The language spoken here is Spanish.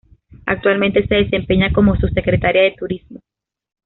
Actualmente se desempeña como subsecretaria de Turismo.